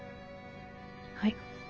はい。